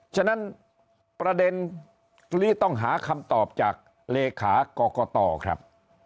ฉะนั้นประเด็นตรงนี้ต้องหาคำตอบจากเลขากรกตครับ